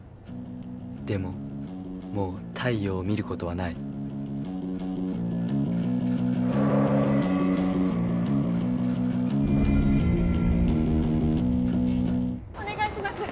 でももう太陽を見ることはないお願いします！